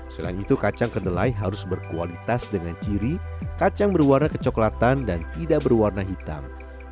selain itu kacang kedelai harus berkualitas dengan ciri kacang berwarna kecoklatan dan tidak berwarna hitam